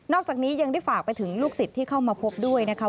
จากนี้ยังได้ฝากไปถึงลูกศิษย์ที่เข้ามาพบด้วยนะคะ